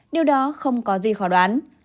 điều đó không có gì khó đoán